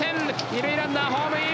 二塁ランナーホームイン。